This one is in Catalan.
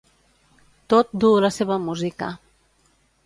Tot duu la seva música.